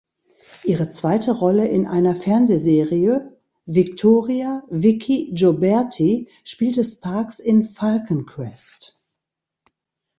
Ihre zweite Rolle in einer Fernsehserie, "Victoria „Vicki“ Gioberti", spielte Sparks in "Falcon Crest".